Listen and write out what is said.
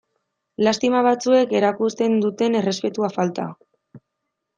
Lastima batzuek erakusten duten errespetu falta.